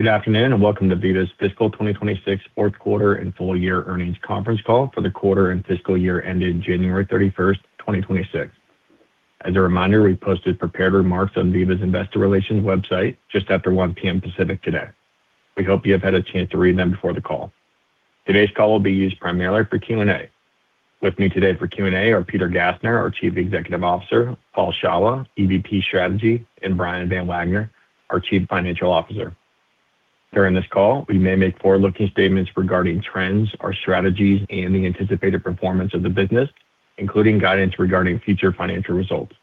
Welcome to Veeva's Fiscal 2026 Fourth Quarter and Full Year Earnings Conference Call for the quarter and fiscal year ending January 31st, 2026. As a reminder, we posted prepared remarks on Veeva's Investor Relations website just after 1:00 P.M. Pacific today. We hope you have had a chance to read them before the call. Today's call will be used primarily for Q&A. With me today for Q&A are Peter Gassner, our Chief Executive Officer, Paul Shawah, EVP, Strategy, and Brian Van Wagener, our Chief Financial Officer. During this call, we may make forward-looking statements regarding trends, our strategies, and the anticipated performance of the business, including guidance regarding future financial results.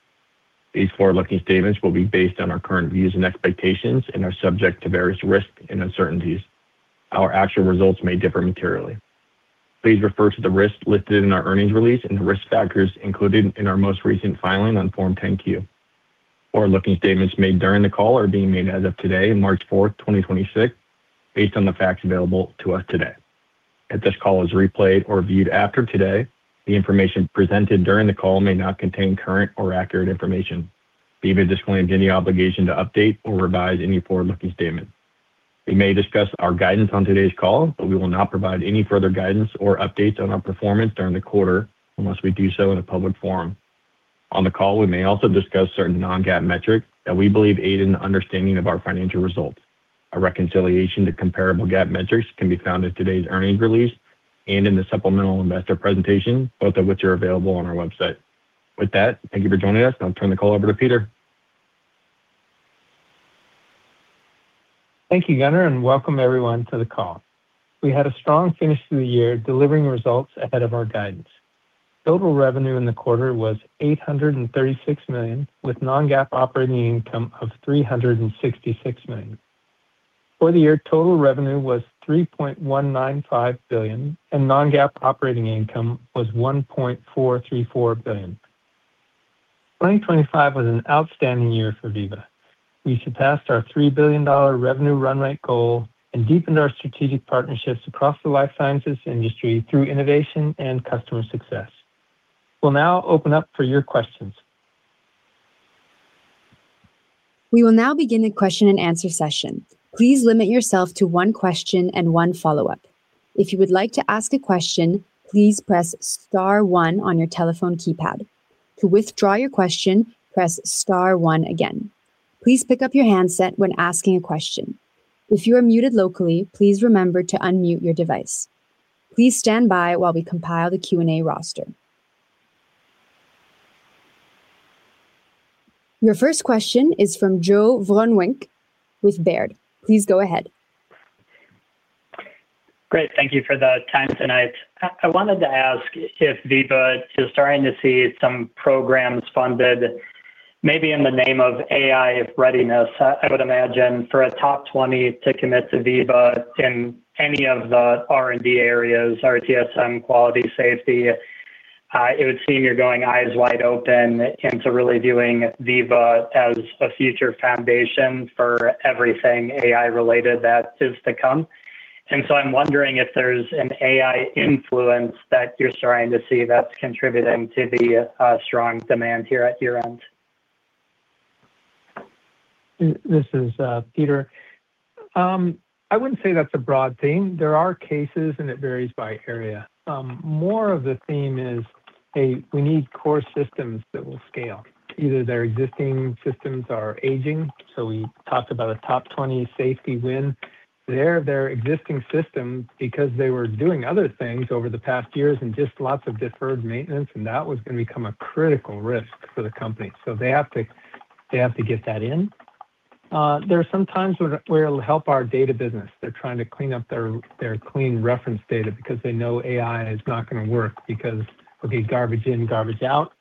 These forward-looking statements will be based on our current views and expectations are subject to various risks and uncertainties. Our actual results may differ materially. Please refer to the risks listed in our earnings release and the risk factors included in our most recent filing on Form 10-Q. Forward-looking statements made during the call are being made as of today, March 4, 2026, based on the facts available to us today. If this call is replayed or viewed after today, the information presented during the call may not contain current or accurate information. Veeva disclaims any obligation to update or revise any forward-looking statement. We may discuss our guidance on today's call, but we will not provide any further guidance or updates on our performance during the quarter unless we do so in a public forum. On the call, we may also discuss certain non-GAAP metrics that we believe aid in the understanding of our financial results. A reconciliation to comparable GAAP metrics can be found in today's earnings release and in the supplemental investor presentation, both of which are available on our website. With that, thank you for joining us, and I'll turn the call over to Peter. Thank you, Gunner. Welcome everyone to the call. We had a strong finish to the year, delivering results ahead of our guidance. Total revenue in the quarter was $836 million, with non-GAAP operating income of $366 million. For the year, total revenue was $3.195 billion, and non-GAAP operating income was $1.434 billion. 2025 was an outstanding year for Veeva. We surpassed our $3 billion revenue run rate goal and deepened our strategic partnerships across the life sciences industry through innovation and customer success. We'll now open up for your questions. We will now begin a question-and-answer session. Please limit yourself to one question and one follow-up. If you would like to ask a question, please press star one on your telephone keypad. To withdraw your question, press star one again. Please pick up your handset when asking a question. If you are muted locally, please remember to unmute your device. Please stand by while we compile the Q&A roster. Your first question is from Joe Vruwink with Baird. Please go ahead. Great. Thank you for the time tonight. I wanted to ask if Veeva is starting to see some programs funded, maybe in the name of AI readiness. I would imagine for a top 20 to commit to Veeva in any of the R&D areas, RTS, quality, safety, it would seem you're going eyes wide open and to really viewing Veeva as a future foundation for everything AI-related that is to come. I'm wondering if there's an AI influence that you're starting to see that's contributing to the strong demand here at your end. This is Peter. I wouldn't say that's a broad theme. There are cases, it varies by area. More of the theme is, "Hey, we need core systems that will scale." Either their existing systems are aging. We talked about a top 20 safety win. Their existing system, because they were doing other things over the past years and just lots of deferred maintenance, that was going to become a critical risk for the company. They have to get that in. There are some times where it'll help our data business. They're trying to clean up their clean reference data because they know AI is not going to work because, okay, garbage in, garbage out.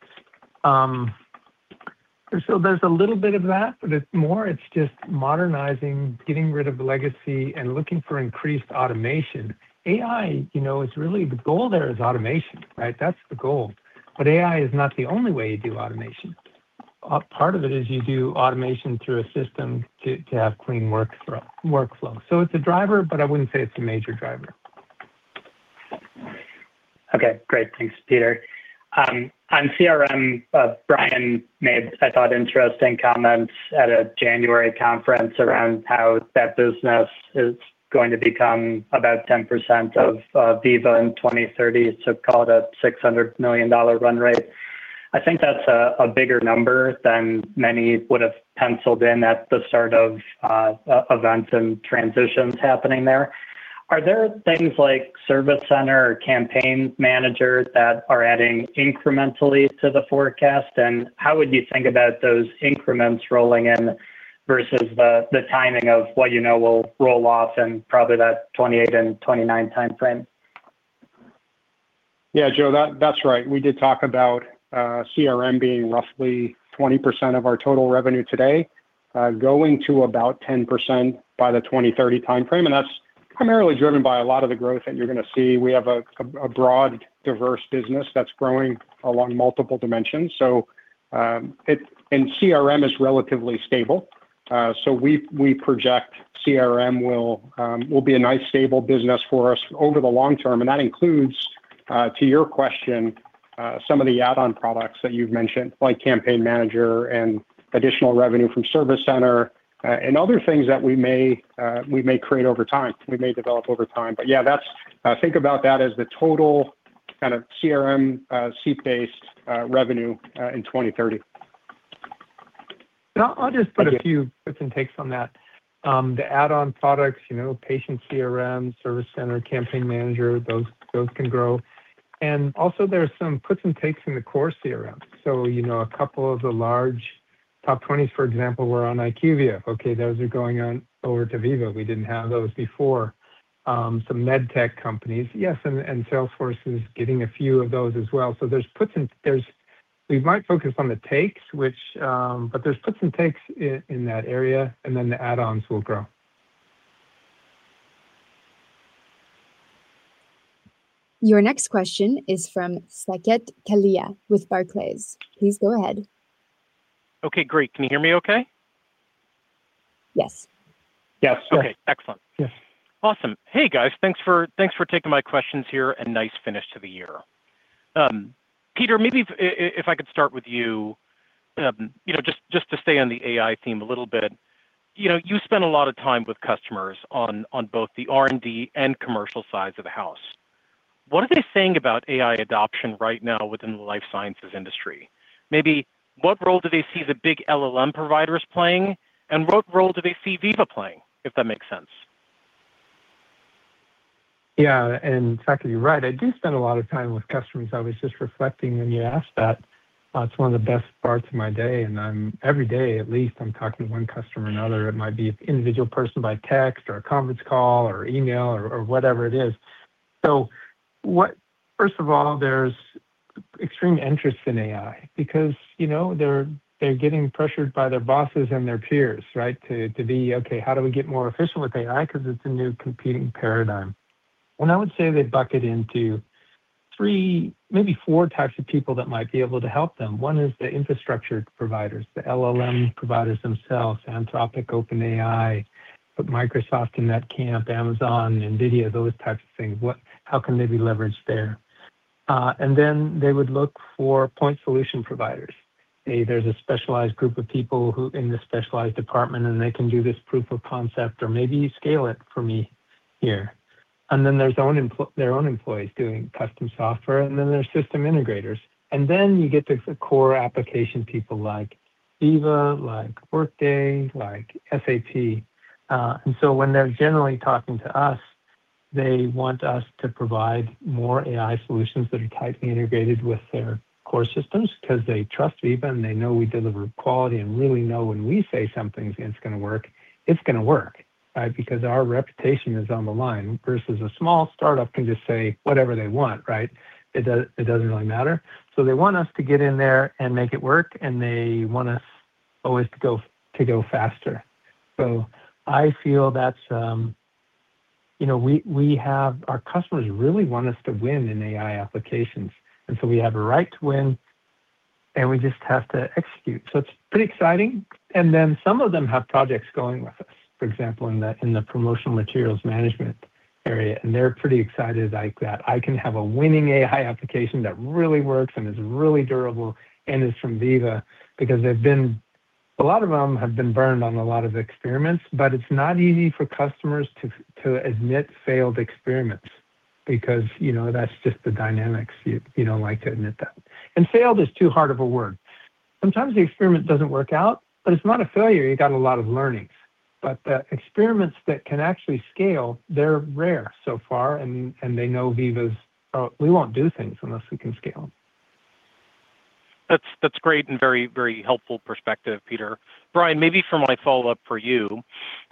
There's a little bit of that, but it's more it's just modernizing, getting rid of legacy, and looking for increased automation. AI, you know, is really the goal there is automation, right? That's the goal. AI is not the only way you do automation. Part of it is you do automation through a system to have clean workflow. It's a driver, but I wouldn't say it's a major driver. Okay, great. Thanks, Peter. On CRM, Brian made, I thought, interesting comments at a January conference around how that business is going to become about 10% of Veeva in 2030. Call it a $600 million run rate. I think that's a bigger number than many would have penciled in at the start of events and transitions happening there. Are there things like Service Center or Campaign Managers that are adding incrementally to the forecast? How would you think about those increments rolling in versus the timing of what you know will roll off in probably that 2028 and 2029 timeframe? Yeah, Joe, that's right. We did talk about CRM being roughly 20% of our total revenue today, going to about 10% by the 2030 timeframe. That's primarily driven by a lot of the growth that you're gonna see. We have a broad, diverse business that's growing along multiple dimensions. CRM is relatively stable. So we project CRM will be a nice stable business for us over the long term, and that includes To your question, some of the add-on products that you've mentioned, like Campaign Manager and additional revenue from Service Center and other things that we may, we may create over time, we may develop over time. Yeah, think about that as the total kind of CRM seat-based revenue in 2030. No, I'll just put a few puts and takes on that. The add-on products, you know, Patient CRM, Service Center, Campaign Manager, those can grow. also there are some puts and takes in the core CRM. you know, a couple of the large top 20s, for example, were on IQVIA. Okay, those are going on over to Veeva. We didn't have those before. some medtech companies, yes, and Salesforce is getting a few of those as well. there's puts and we might focus on the takes, which. There's puts and takes in that area, and then the add-ons will grow. Your next question is from Saket Kalia with Barclays. Please go ahead. Okay, great. Can you hear me okay? Yes. Yes. Okay, excellent. Yes. Awesome. Hey, guys. Thanks for taking my questions here. Nice finish to the year. Peter, if I could start with you know, just to stay on the AI theme a little bit. You know, you spent a lot of time with customers on both the R&D and commercial sides of the house. What are they saying about AI adoption right now within the life sciences industry? Maybe what role do they see the big LLM providers playing, and what role do they see Veeva playing, if that makes sense? Yeah. Saket, you're right. I do spend a lot of time with customers. I was just reflecting when you asked that. It's one of the best parts of my day, and every day, at least I'm talking to one customer or another. It might be an individual person by text or a conference call or email or whatever it is. First of all, there's extreme interest in AI because, you know, they're getting pressured by their bosses and their peers, right? To be, "Okay, how do we get more efficient with AI?" Because it's a new competing paradigm. I would say they bucket into three, maybe four types of people that might be able to help them. One is the infrastructure providers, the LLM providers themselves, Anthropic, OpenAI, Microsoft in that camp, Amazon, Nvidia, those types of things. How can they be leveraged there? They would look for point solution providers. Say there's a specialized group of people who in this specialized department, they can do this proof of concept or maybe scale it for me here. There's their own employees doing custom software, there's system integrators. You get to core application people like Veeva, like Workday, like SAP. When they're generally talking to us, they want us to provide more AI solutions that are tightly integrated with their core systems because they trust Veeva, they know we deliver quality and really know when we say something, it's gonna work, right? Because our reputation is on the line versus a small startup can just say whatever they want, right? It doesn't really matter. They want us to get in there and make it work, and they want us always to go faster. I feel that's, you know, our customers really want us to win in AI applications, we have a right to win, and we just have to execute. It's pretty exciting. Some of them have projects going with us, for example, in the promotional materials management area, and they're pretty excited. Like, that I can have a winning AI application that really works and is really durable and is from Veeva because a lot of them have been burned on a lot of experiments. It's not easy for customers to admit failed experiments because, you know, that's just the dynamics. You don't like to admit that. Failed is too hard of a word. Sometimes the experiment doesn't work out, but it's not a failure. You got a lot of learnings. The experiments that can actually scale, they're rare so far, and they know Veeva's, we won't do things unless we can scale. That's, that's great, very, very helpful perspective, Peter. Brian, maybe for my follow-up for you.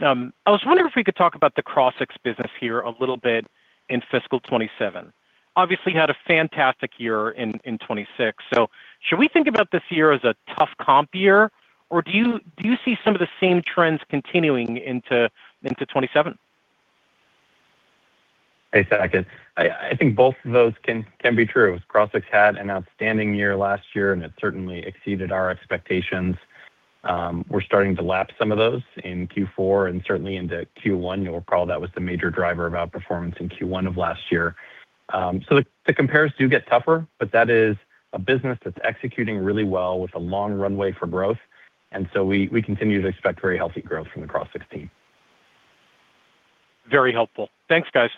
I was wondering if we could talk about the Crossix business here a little bit in fiscal 2027. Obviously, you had a fantastic year in 2026. Should we think about this year as a tough comp year, or do you see some of the same trends continuing into 2027? Hey, Saket. I think both of those can be true. Crossix had an outstanding year last year. It certainly exceeded our expectations. We're starting to lap some of those in Q4 and certainly into Q1. You'll recall that was the major driver of outperformance in Q1 of last year. The compares do get tougher, but that is a business that's executing really well with a long runway for growth. We continue to expect very healthy growth from the Crossix team. Very helpful. Thanks, guys.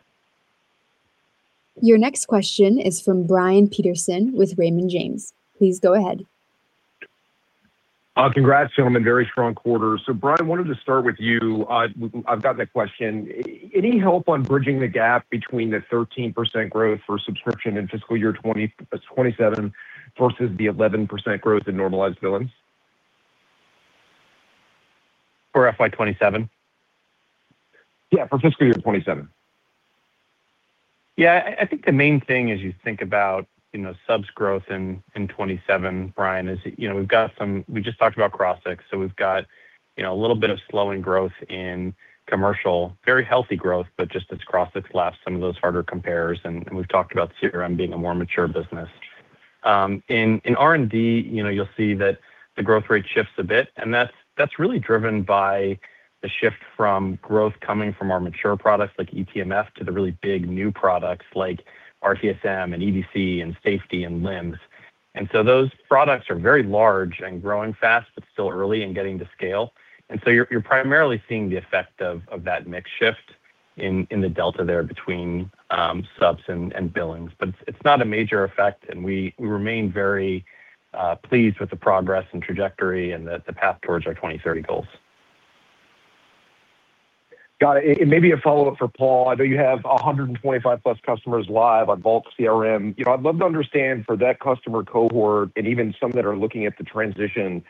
Your next question is from Brian Peterson with Raymond James. Please go ahead. Congrats, gentlemen. Very strong quarter. Brian, I wanted to start with you. I've got that question. Any help on bridging the gap between the 13% growth for subscription in fiscal year 2027 versus the 11% growth in normalized billings? For FY 2027? Yeah, for fiscal year 2027. Yeah. I think the main thing as you think about, you know, subs growth in 2027, Brian Van Wagener, is, you know, we've got some. We just talked about Crossix, so we've got, you know, a little bit of slowing growth in commercial, very healthy growth, but just as Crossix laps some of those harder compares, and we've talked about CRM being a more mature business. In R&D, you know, you'll see that the growth rate shifts a bit, and that's really driven by the shift from growth coming from our mature products like eTMF to the really big new products like RTSM and EDC and Safety and LIMS. Those products are very large and growing fast but still early in getting to scale. You're primarily seeing the effect of that mix shift in the delta there between subs and billings. It's not a major effect, and we remain very pleased with the progress and trajectory and the path towards our 2030 goals. Got it. It may be a follow-up for Paul. I know you have 125+ customers live on Vault CRM. You know, I'd love to understand for that customer cohort and even some that are looking at the transition,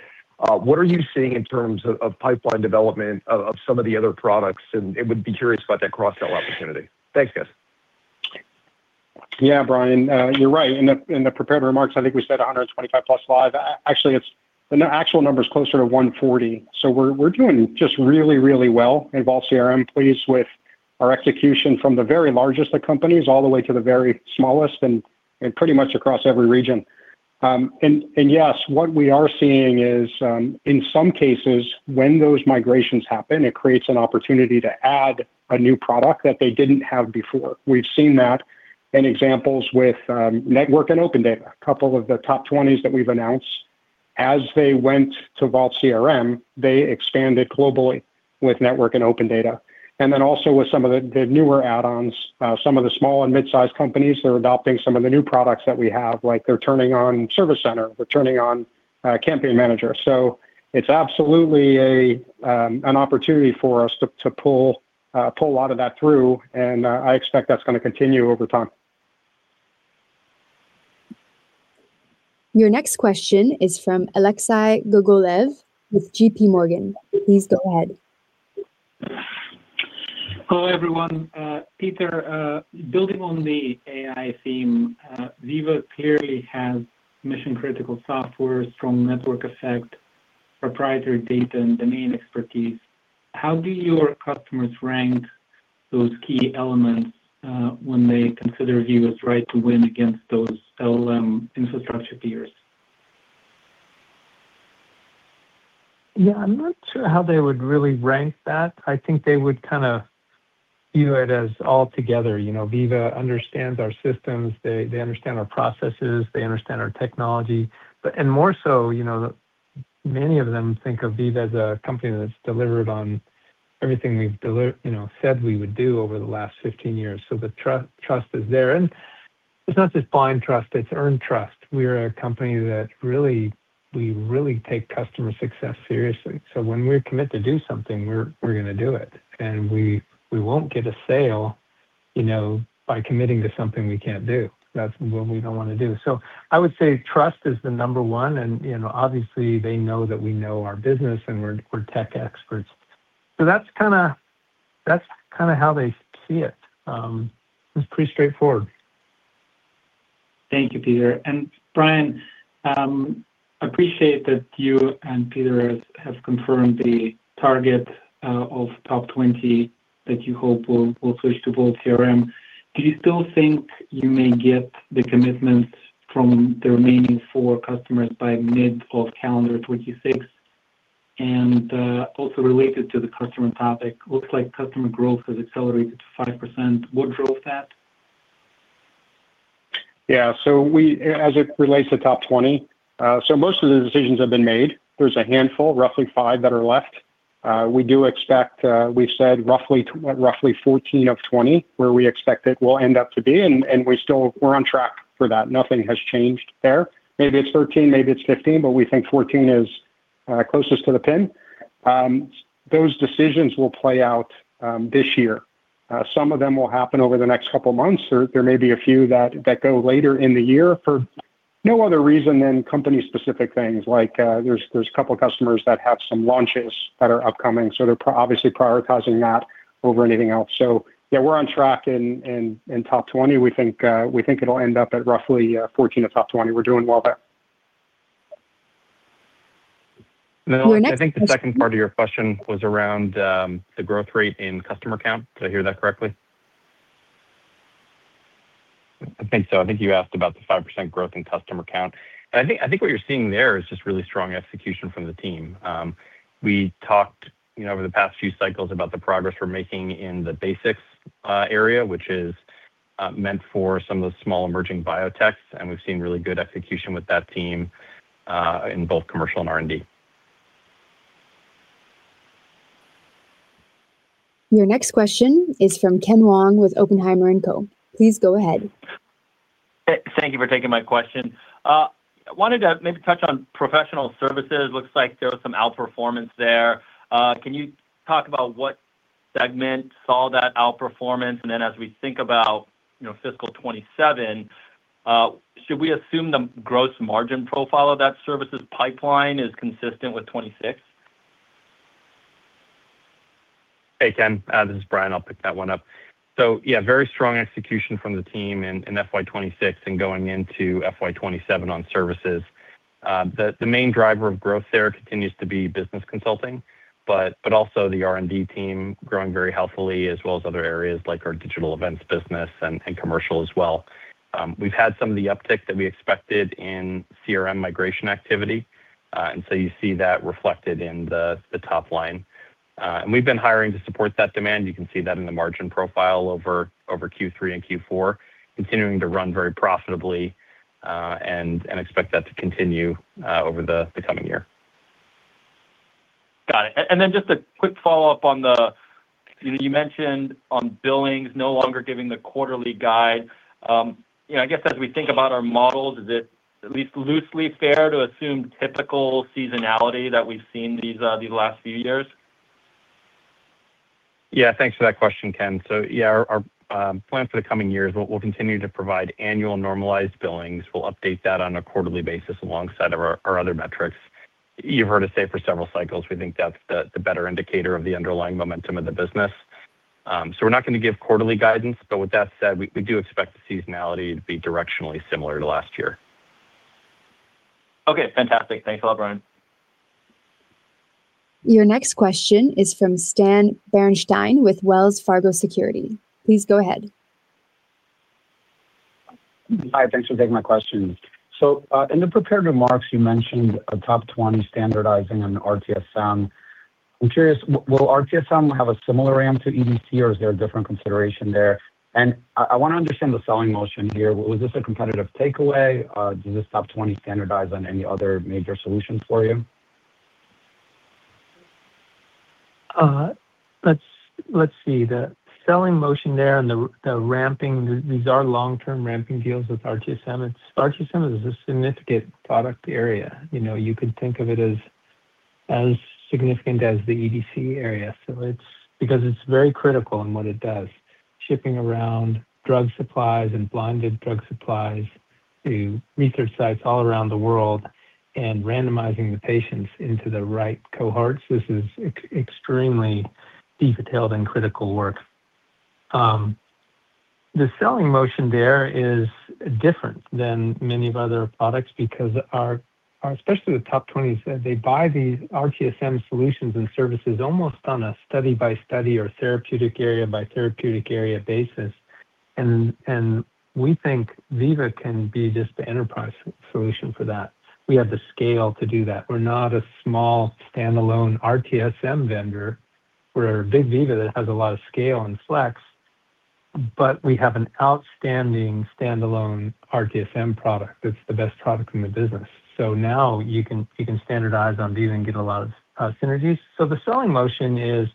what are you seeing in terms of pipeline development of some of the other products? Would be curious about that cross-sell opportunity. Thanks, guys. Yeah, Brian, you're right. In the prepared remarks, I think we said 125+ live. The actual number is closer to 140. We're doing just really, really well. Vault CRM pleased with our execution from the very largest of companies all the way to the very smallest and pretty much across every region. And yes, what we are seeing is, in some cases, when those migrations happen, it creates an opportunity to add a new product that they didn't have before. We've seen that in examples with Network and OpenData, a couple of the top 20s that we've announced. As they went to Vault CRM, they expanded globally with Network and OpenData. Also with some of the newer add-ons, some of the small and mid-sized companies that are adopting some of the new products that we have. Like, they're turning on Service Center, they're turning on Campaign Manager. It's absolutely an opportunity for us to pull a lot of that through, and I expect that's gonna continue over time. Your next question is from Alexei Gogolev with JPMorgan. Please go ahead. Hello, everyone. Peter, building on the AI theme, Veeva clearly has mission-critical software, strong network effect, proprietary data, and domain expertise. How do your customers rank those key elements when they consider Veeva's right to win against those LLM infrastructure peers? Yeah, I'm not sure how they would really rank that. I think they would kinda view it as all together. You know, Veeva understands our systems, they understand our processes, they understand our technology. More so, you know, many of them think of Veeva as a company that's delivered on everything we've said we would do over the last 15 years. The trust is there. It's not just blind trust, it's earned trust. We're a company that we really take customer success seriously. When we commit to do something, we're gonna do it, and we won't get a sale, you know, by committing to something we can't do. That's what we don't wanna do. I would say trust is the number one and, you know, obviously they know that we know our business and we're tech experts. That's kinda how they see it. It's pretty straightforward. Thank you, Peter. Brian, appreciate that you and Peter have confirmed the target of top 20 that you hope will switch to Vault CRM. Do you still think you may get the commitments from the remaining four customers by mid of calendar 2026? Also related to the customer topic, looks like customer growth has accelerated to 5%. What drove that? Yeah. We as it relates to top 20, most of the decisions have been made. There's a handful, roughly five, that are left. We do expect, we've said roughly 14 of 20, where we expect it will end up to be, and we still we're on track for that. Nothing has changed there. Maybe it's 13, maybe it's 15, but we think 14 is closest to the pin. Those decisions will play out this year. Some of them will happen over the next couple of months or there may be a few that go later in the year for no other reason than company-specific things. Like, there's a couple of customers that have some launches that are upcoming, so they're obviously prioritizing that over anything else. Yeah, we're on track in top 20. We think it'll end up at roughly 14 of top 20. We're doing well there. Then I think the second part of your question was around, the growth rate in customer count. Did I hear that correctly? I think so. I think you asked about the 5% growth in customer count. I think what you're seeing there is just really strong execution from the team. We talked, you know, over the past few cycles about the progress we're making in the Veeva Basics area, which is meant for some of the small emerging biotechs, and we've seen really good execution with that team, in both commercial and R&D. Your next question is from Ken Wong with Oppenheimer & Co. Please go ahead. Thank you for taking my question. wanted to maybe touch on professional services. Looks like there was some outperformance there. can you talk about what segment saw that outperformance? As we think about, you know, fiscal 2027, should we assume the gross margin profile of that services pipeline is consistent with 2026? Hey, Ken. This is Brian. I'll pick that one up. Yeah, very strong execution from the team in FY 2026 and going into FY 2027 on services. The main driver of growth there continues to be business consulting, but also the R&D team growing very healthily as well as other areas like our digital events business and commercial as well. We've had some of the uptick that we expected in CRM migration activity, and so you see that reflected in the top line. We've been hiring to support that demand. You can see that in the margin profile over Q3 and Q4, continuing to run very profitably, and expect that to continue over the coming year. Got it. Just a quick follow-up on the, you know, you mentioned on billings, no longer giving the quarterly guide. You know, I guess as we think about our models, is it at least loosely fair to assume typical seasonality that we've seen these last few years? Thanks for that question, Ken. Our plan for the coming years, we'll continue to provide annual normalized billings. We'll update that on a quarterly basis alongside of our other metrics. You've heard us say for several cycles, we think that's the better indicator of the underlying momentum of the business. We're not gonna give quarterly guidance, but with that said, we do expect the seasonality to be directionally similar to last year. Okay, fantastic. Thanks a lot, Brian. Your next question is from Stan Berenshteyn with Wells Fargo Securities. Please go ahead. Hi, thanks for taking my question. In the prepared remarks, you mentioned a top 20 standardizing on RTSM. I'm curious, will RTSM have a similar RAM to EDC, or is there a different consideration there? I wanna understand the selling motion here. Was this a competitive takeaway? Did this top 20 standardize on any other major solutions for you? Let's, let's see. The selling motion there and the ramping, these are long-term ramping deals with RTSM. RTSM is a significant product area. You know, you could think of it as significant as the EDC area. Because it's very critical in what it does, shipping around drug supplies and blinded drug supplies to research sites all around the world and randomizing the patients into the right cohorts. This is extremely detailed and critical work. The selling motion there is different than many of other products because especially the top 20s, they buy these RTSM solutions and services almost on a study-by-study or therapeutic area-by-therapeutic area basis. We think Veeva can be just the enterprise solution for that. We have the scale to do that. We're not a small standalone RTSM vendor. We're a big Veeva that has a lot of scale and flex, but we have an outstanding standalone RTSM product. It's the best product in the business. Now you can standardize on these and get a lot of synergies. The selling motion is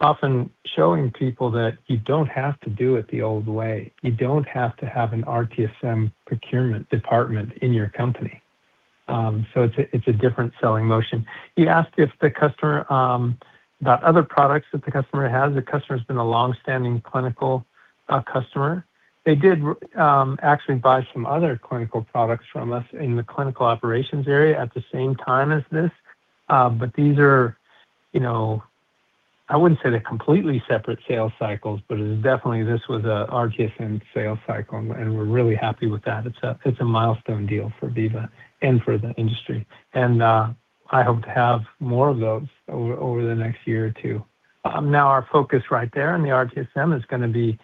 often showing people that you don't have to do it the old way. You don't have to have an RTSM procurement department in your company. It's a different selling motion. You asked if the customer about other products that the customer has. The customer's been a long-standing clinical customer. They did actually buy some other clinical products from us in the clinical operations area at the same time as this. These are, you know... I wouldn't say they're completely separate sales cycles, but it was definitely this was a RTSM sales cycle, and we're really happy with that. It's a milestone deal for Veeva and for the industry. I hope to have more of those over the next year or two. Now our focus right there in the RTSM is gonna be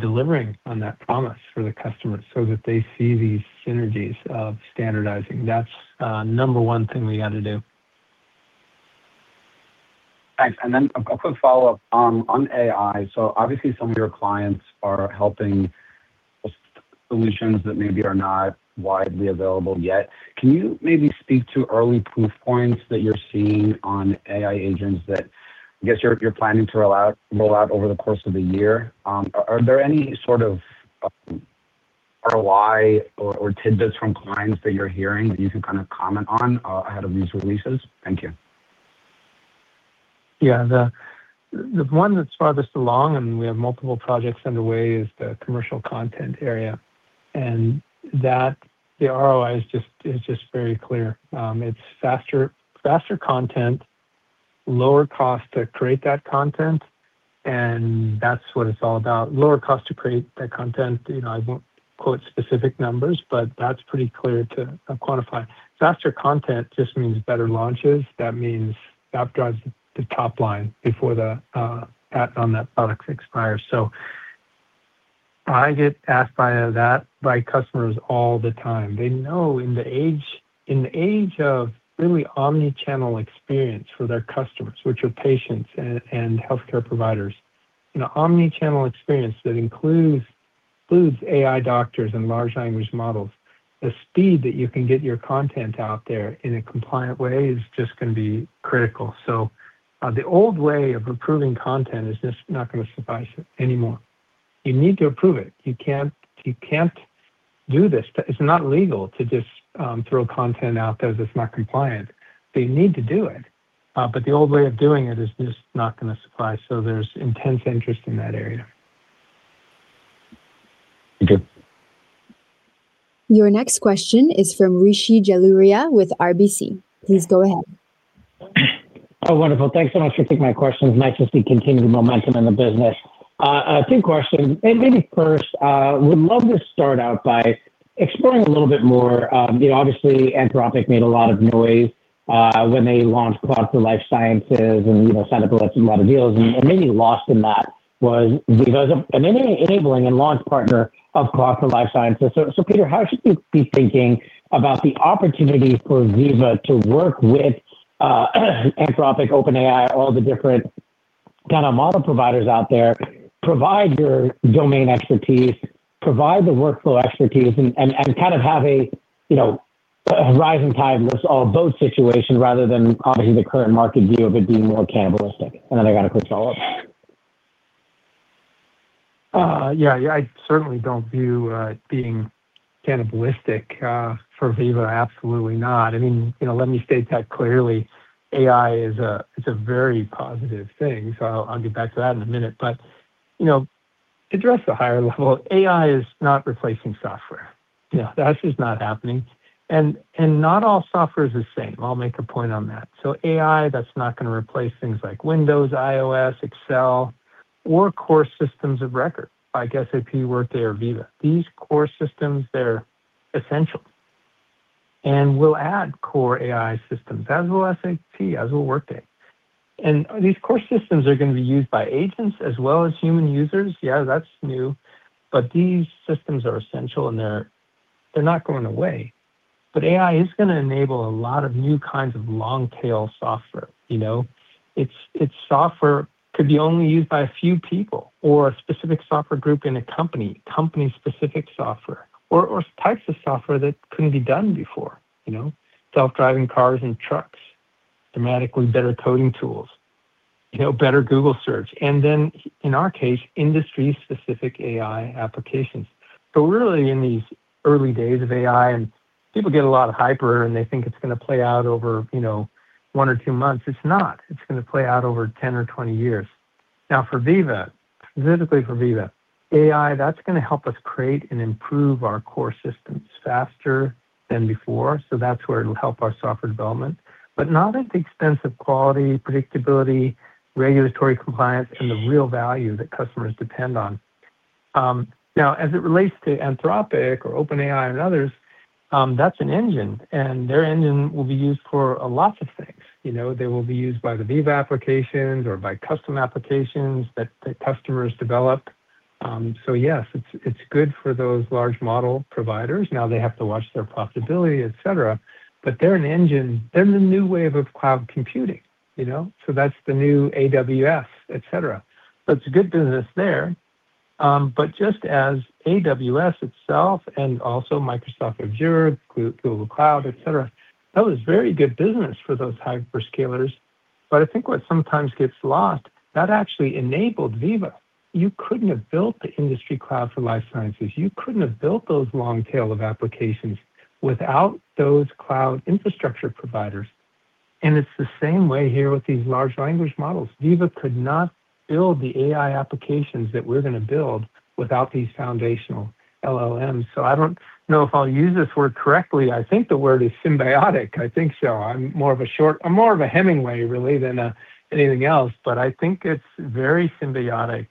delivering on that promise for the customers so that they see these synergies of standardizing. That's number one thing we gotta do. Thanks. A quick follow-up on AI. Obviously some of your clients are helping solutions that maybe are not widely available yet. Can you maybe speak to early proof points that you're seeing on AI agents that I guess you're planning to roll out over the course of the year? Are there any sort of ROI or tidbits from clients that you're hearing that you can kind of comment on ahead of these releases? Thank you. Yeah. The one that's farthest along, and we have multiple projects underway, is the commercial content area. That, the ROI is just very clear. It's faster content, lower cost to create that content, and that's what it's all about. Lower cost to create that content, you know, I won't quote specific numbers, but that's pretty clear to quantify. Faster content just means better launches. That means that drives the top line before the ad on that product expires. I get asked by customers all the time. They know in the age of really omni-channel experience for their customers, which are patients and healthcare providers, you know, omni-channel experience that includes AI doctors and large language models, the speed that you can get your content out there in a compliant way is just gonna be critical. The old way of approving content is just not gonna suffice anymore. You need to approve it. You can't do this. It's not legal to just throw content out there that's not compliant. They need to do it, but the old way of doing it is just not gonna suffice. There's intense interest in that area. Thank you. Your next question is from Rishi Jaluria with RBC. Please go ahead. Oh, wonderful. Thanks so much for taking my questions. Nice to see continued momentum in the business. Two questions. Maybe first, would love to start out by exploring a little more. You know, obviously, Anthropic made a lot of noise, when they launched across the life sciences and, you know, signed up with a lot of deals. Maybe lost in that was Veeva is an enabling and launch partner of across the life sciences. Peter, how should we be thinking about the opportunity for Veeva to work with, Anthropic, OpenAI, all the different kinda model providers out there, provide your domain expertise, provide the workflow expertise, and kind of have a, you know, a rising tide lifts all boat situation rather than obviously the current market view of it being more cannibalistic. I got a quick follow-up. Yeah. I certainly don't view it being cannibalistic for Veeva. Absolutely not. I mean, you know, let me state that clearly. AI is a very positive thing. I'll get back to that in a minute. You know, address the higher level. AI is not replacing software. You know, that's just not happening. Not all software is the same. I'll make a point on that. AI, that's not gonna replace things like Windows, iOS, Excel, or core systems of record, like SAP, Workday, or Veeva. These core systems, they're essential. We'll add core AI systems, as will SAP, as will Workday. These core systems are gonna be used by agents as well as human users. Yeah, that's new. These systems are essential, and they're not going away. AI is gonna enable a lot of new kinds of long-tail software. You know? It's software could be only used by a few people or a specific software group in a company-specific software, or types of software that couldn't be done before. You know? Self-driving cars and trucks, dramatically better coding tools, you know, better Google search, and then in our case, industry-specific AI applications. We're really in these early days of AI, and people get a lot of hype and they think it's gonna play out over, you know, one or two months. It's not. It's gonna play out over 10 or 20 years. For Veeva, specifically for Veeva, AI, that's gonna help us create and improve our core systems faster than before. That's where it'll help our software development, but not at the expense of quality, predictability, regulatory compliance, and the real value that customers depend on. As it relates to Anthropic or OpenAI and others, that's an engine, and their engine will be used for a lots of things. You know? They will be used by the Veeva applications or by custom applications that customers develop. Yes, it's good for those large model providers. They have to watch their profitability, etc. They're an engine. They're the new wave of cloud computing. You know? That's the new AWS, etc. It's a good business there. Just as AWS itself and also Microsoft Azure, Google Cloud, etc., that was very good business for those hyperscalers. I think what sometimes gets lost, that actually enabled Veeva. You couldn't have built the industry cloud for life sciences. You couldn't have built those long tail of applications without those cloud infrastructure providers. It's the same way here with these large language models. Veeva could not build the AI applications that we're gonna build without these foundational LLMs. I don't know if I'll use this word correctly. I think the word is symbiotic. I think so. I'm more of a Hemingway, really, than anything else. I think it's very symbiotic.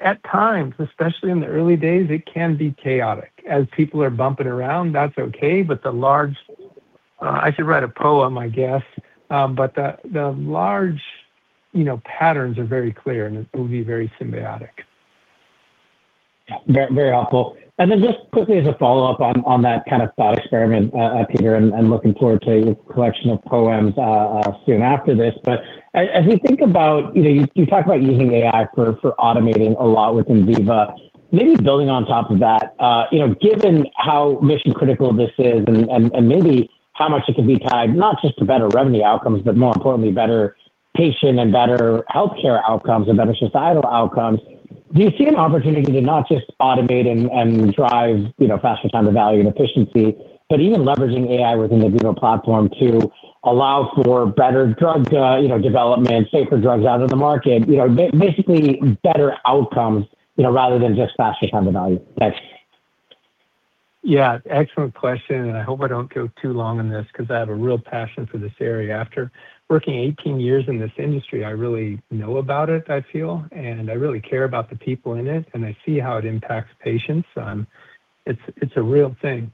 At times, especially in the early days, it can be chaotic. As people are bumping around, that's okay. The large. I should write a poem, I guess. The large, you know, patterns are very clear, and it will be very symbiotic. Yeah. Very helpful. Just quickly as a follow-up on that kind of thought experiment, Peter, and looking forward to your collection of poems, soon after this. As we think about. You know, you talked about using AI for automating a lot within Veeva. Maybe building on top of that, you know, given how mission-critical this is and maybe how much it could be tied not just to better revenue outcomes, but more importantly, better patient and better healthcare outcomes and better societal outcomes, do you see an opportunity to not just automate and drive, you know, faster time to value and efficiency, but even leveraging AI within the Veeva platform to allow for better drug, you know, development, safer drugs out in the market, you know, basically better outcomes, you know, rather than just faster time to value? Thanks. Yeah. Excellent question. I hope I don't go too long on this 'cause I have a real passion for this area. After working 18 years in this industry, I really know about it, I feel, and I really care about the people in it, and I see how it impacts patients. It's a real thing.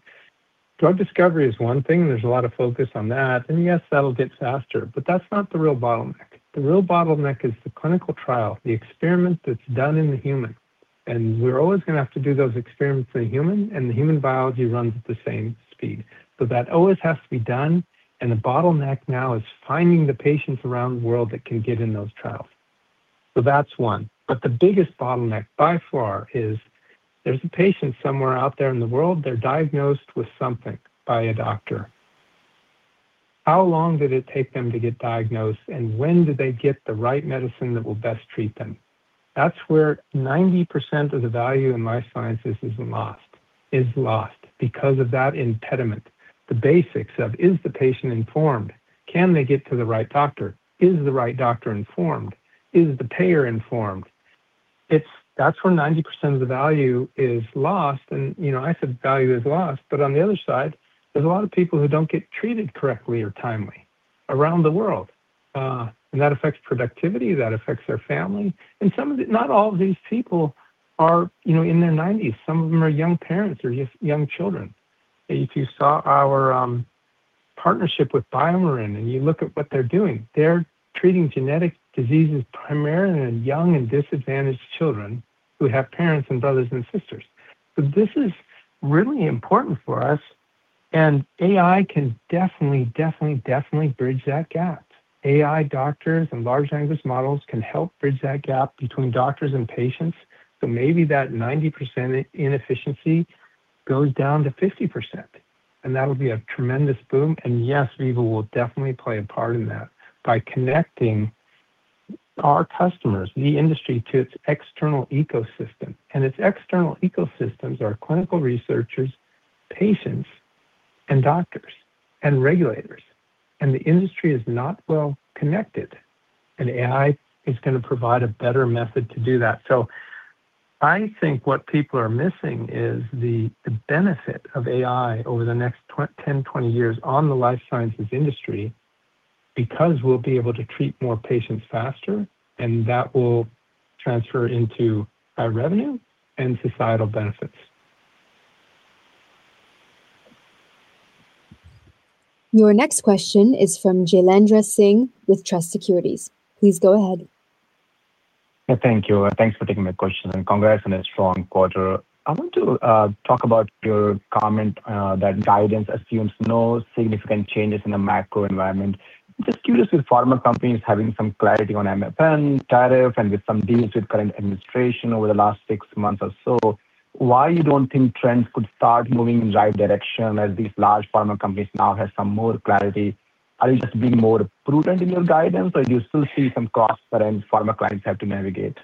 Drug discovery is one thing. There's a lot of focus on that. Yes, that'll get faster, but that's not the real bottleneck. The real bottleneck is the clinical trial, the experiment that's done in the human. We're always gonna have to do those experiments in a human, and the human biology runs at the same speed. That always has to be done, and the bottleneck now is finding the patients around the world that can get in those trials. That's one. The biggest bottleneck by far is there's a patient somewhere out there in the world, they're diagnosed with something by a doctor. How long did it take them to get diagnosed, and when did they get the right medicine that will best treat them? That's where 90% of the value in life sciences is lost. Is lost because of that impediment. The basics of, is the patient informed? Can they get to the right doctor? Is the right doctor informed? Is the payer informed? That's where 90% of the value is lost. You know, I said value is lost, but on the other side, there's a lot of people who don't get treated correctly or timely around the world. That affects productivity, that affects their family. Some of it not all of these people are, you know, in their 90s. Some of them are young parents or just young children. If you saw our partnership with BioMarin and you look at what they're doing, they're treating genetic diseases primarily in young and disadvantaged children who have parents and brothers and sisters. This is really important for us, and AI can definitely bridge that gap. AI doctors and large language models can help bridge that gap between doctors and patients. Maybe that 90% inefficiency goes down to 50%, and that'll be a tremendous boom. Yes, Veeva will definitely play a part in that by connecting our customers, the industry, to its external ecosystem. Its external ecosystems are clinical researchers, patients, and doctors and regulators. The industry is not well connected. AI is gonna provide a better method to do that. I think what people are missing is the benefit of AI over the next 10, 20 years on the life sciences industry, because we'll be able to treat more patients faster, and that will transfer into our revenue and societal benefits. Your next question is from Jailendra Singh with Truist Securities. Please go ahead. Thank you. Thanks for taking my question, congrats on a strong quarter. I want to talk about your comment that guidance assumes no significant changes in the macro environment. Just curious with pharma companies having some clarity on MFP tariff and with some deals with current administration over the last six months or so, why you don't think trends could start moving in the right direction as these large pharma companies now have some more clarity? Are you just being more prudent in your guidance, or do you still see some costs that end pharma clients have to navigate?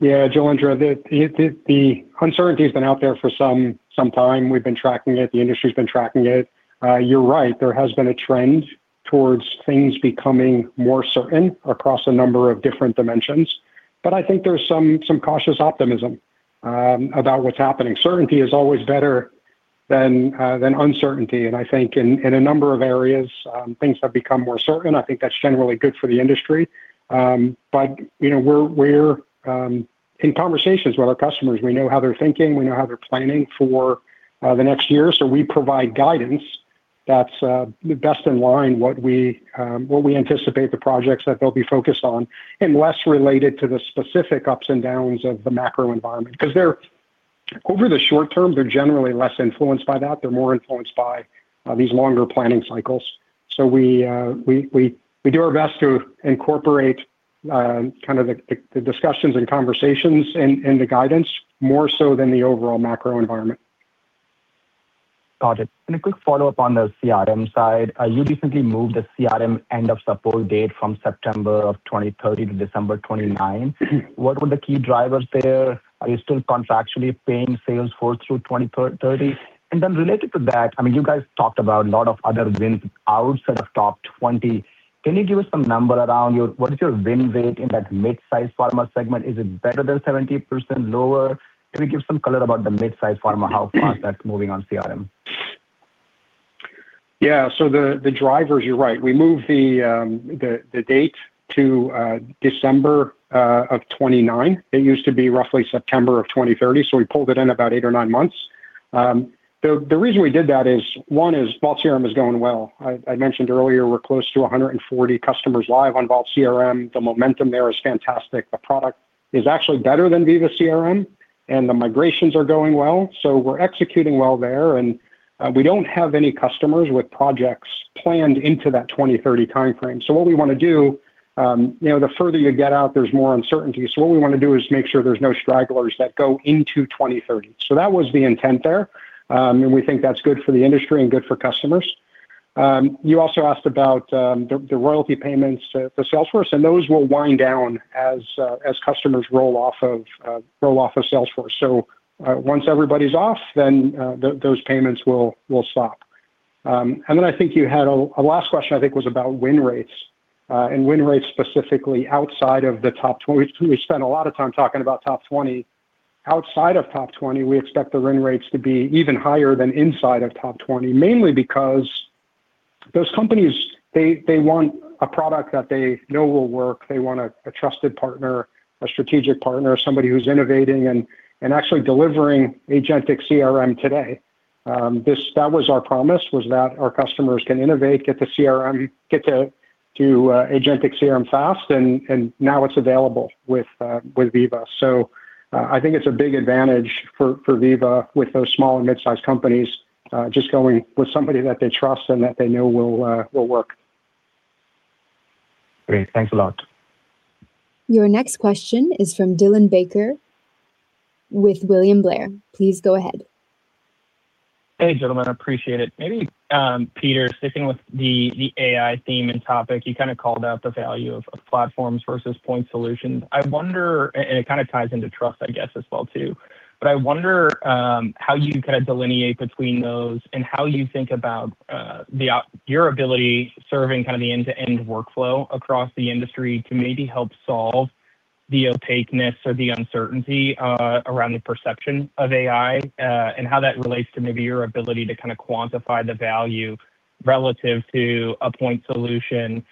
Yeah, Jailendra, the uncertainty's been out there for some time. We've been tracking it. The industry's been tracking it. You're right. There has been a trend towards things becoming more certain across a number of different dimensions. I think there's some cautious optimism about what's happening. Certainty is always better than uncertainty. I think in a number of areas, things have become more certain. I think that's generally good for the industry. You know, we're in conversations with our customers. We know how they're thinking, we know how they're planning for the next year. We provide guidance that's best in line what we what we anticipate the projects that they'll be focused on and less related to the specific ups and downs of the macro environment. Over the short term, they're generally less influenced by that. They're more influenced by these longer planning cycles. We do our best to incorporate kind of the discussions and conversations in the guidance more so than the overall macro environment. Got it. A quick follow-up on the CRM side. You recently moved the CRM end of support date from September of 2030 to December 2029. Mm-hmm. What were the key drivers there? Are you still contractually paying Salesforce through 2030? Related to that, I mean, you guys talked about a lot of other wins outside of top 20. Can you give us some number around what is your win rate in that midsize pharma segment? Is it better than 70% lower? Can you give some color about the midsize pharma, how fast that's moving on CRM? Yeah. The drivers, you're right. We moved the date to December of 2029. It used to be roughly September of 2030. We pulled it in about eight or mine months. The reason we did that is, one, is Vault CRM is going well. I mentioned earlier we're close to 140 customers live on Vault CRM. The momentum there is fantastic. The product is actually better than Veeva CRM, and the migrations are going well, so we're executing well there. We don't have any customers with projects planned into that 2030 timeframe. What we wanna do, you know, the further you get out, there's more uncertainty. What we wanna do is make sure there's no stragglers that go into 2030. That was the intent there, and we think that's good for the industry and good for customers. You also asked about the royalty payments to Salesforce, and those will wind down as customers roll off of roll off of Salesforce. Once everybody's off, then those payments will stop. And then I think you had a last question I think was about win rates, and win rates specifically outside of the top 20. We spent a lot of time talking about top 20. Outside of top 20, we expect the win rates to be even higher than inside of top 20, mainly because those companies want a product that they know will work. They want a trusted partner, a strategic partner, somebody who's innovating and actually delivering Agentic CRM today. That was our promise, was that our customers can innovate, get to CRM, get to agentic CRM fast, and now it's available with Veeva. I think it's a big advantage for Veeva with those small and mid-sized companies, just going with somebody that they trust and that they know will work. Great. Thanks a lot. Your next question is from Dylan Becker with William Blair. Please go ahead. Hey, gentlemen. I appreciate it. Maybe Peter, sticking with the AI theme and topic, you kinda called out the value of platforms versus point solutions. I wonder, and it kinda ties into trust, I guess, as well too. I wonder how you kinda delineate between those and how you think about the your ability serving kind of the end-to-end workflow across the industry to maybe help solve the opaqueness or the uncertainty around the perception of AI, and how that relates to maybe your ability to kind of quantify the value relative to a point solution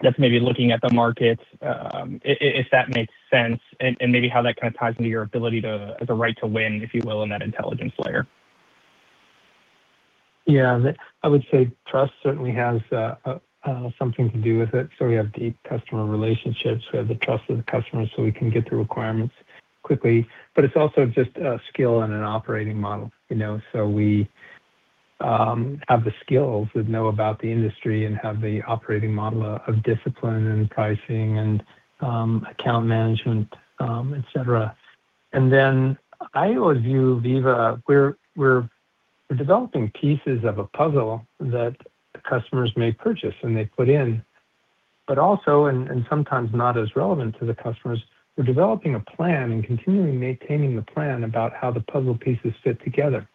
that's maybe looking at the market, if that makes sense, and maybe how that kind of ties into your ability to the right to win, if you will, in that intelligence layer? I would say trust certainly has something to do with it. We have deep customer relationships. We have the trust of the customers, so we can get the requirements quickly. It's also just a skill and an operating model, you know. We have the skills that know about the industry and have the operating model of discipline and pricing and account management, et cetera. I always view Veeva, we're developing pieces of a puzzle that the customers may purchase, and they put in. Also, and sometimes not as relevant to the customers, we're developing a plan and continually maintaining the plan about how the puzzle pieces fit together.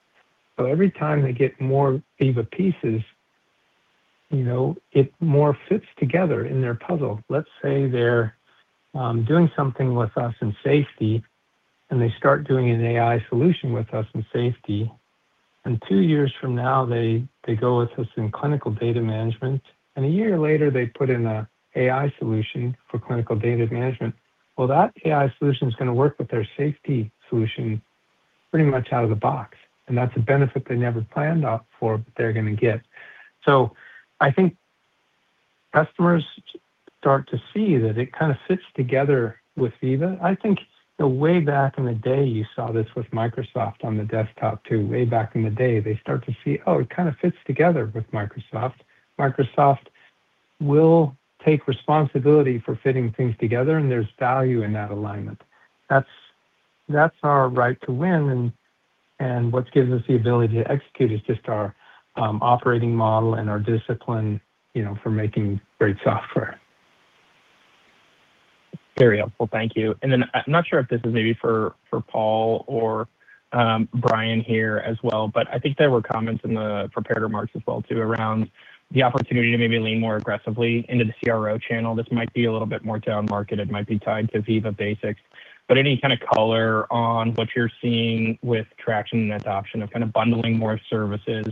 Every time they get more Veeva pieces, you know, it more fits together in their puzzle. Let's say they're doing something with us in safety, and they start doing an AI solution with us in safety, and two years from now, they go with us in clinical data management, and a year later, they put in a AI solution for clinical data management. Well, that AI solution is going to work with their safety solution pretty much out of the box, and that's a benefit they never planned out for, but they're going to get. I think customers start to see that it kind of fits together with Veeva. I think the way back in the day, you saw this with Microsoft on the desktop, too. Way back in the day, they start to see, oh, it kind of fits together with Microsoft. Microsoft will take responsibility for fitting things together, and there's value in that alignment. That's our right to win and what gives us the ability to execute is just our operating model and our discipline, you know, for making great software. Very helpful. Thank you. I'm not sure if this is maybe for Paul or Brian here as well, but I think there were comments in the prepared remarks as well, too, around the opportunity to maybe lean more aggressively into the CRO channel. This might be a little bit more down-market. It might be tied to Veeva Basics. Any kind of color on what you're seeing with traction and adoption of kind of bundling more services,